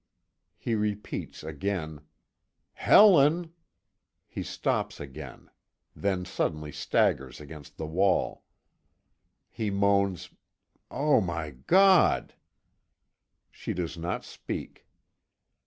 He repeats again: "Helen " He stops again; then suddenly staggers against the wall. He moans: "Oh, my God!" She does not speak.